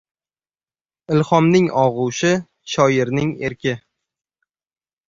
Ilhomning og‘ushi – shoirning erki.